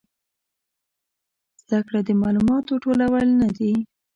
زده کړه د معلوماتو ټولول نه دي